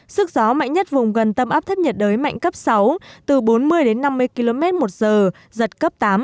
sức gió mạnh nhất vùng gần tâm áp thấp nhiệt đới mạnh cấp sáu từ bốn mươi đến năm mươi km một giờ giật cấp tám